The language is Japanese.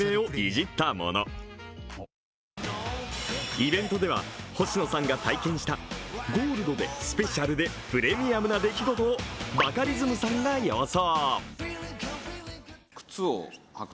イベントでは星野さんが体験したゴールドでスペシャルで、プレミアムな出来事をバカリズムさんが予想。